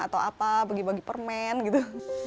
atau apa bagi bagi permen gitu